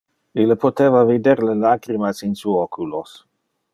Ille poteva vider le lacrimas in su oculos.